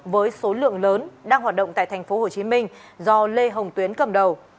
với số lượng lớn đang hoạt động tại thành phố hồ chí minh do lê hồng tuyến cầm đầu